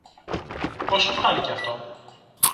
Πώς σου φάνηκε αυτό;